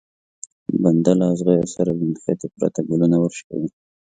بنده له ازغيو سره له نښتې پرته ګلونه ورشکوي.